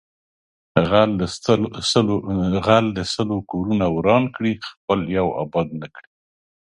غل د سل کورونه وران کړي خپل یو آباد نکړي